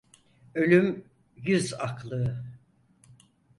Ölüm yüz aklığı.